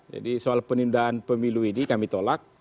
jadi soal penindahan pemilu ini kami tolak